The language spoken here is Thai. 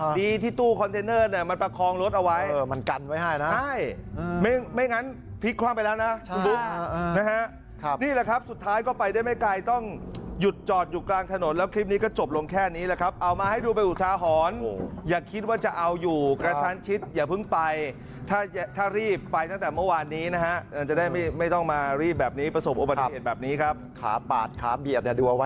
ดีที่ตู้คอนเทนเนอร์เนี่ยมันประคองรถเอาไว้มันกันไว้ให้นะใช่ไม่งั้นพลิกความไปแล้วนะคุณบุ๊คนะฮะนี่แหละครับสุดท้ายก็ไปได้ไม่ไกลต้องหยุดจอดอยู่กลางถนนแล้วคลิปนี้ก็จบลงแค่นี้แหละครับเอามาให้ดูเป็นอุทาหรณ์อย่าคิดว่าจะเอาอยู่กระชั้นชิดอย่าเพิ่งไปถ้ารีบไปตั้งแต่เมื่อวานนี้นะฮะขาปาดขาเบียบแต่ดูเอาไว้